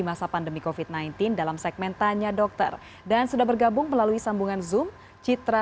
masa pandemi kofit sembilan belas dalam segmen tanya dokter dan sudah bergabung melalui sambungan zoom citra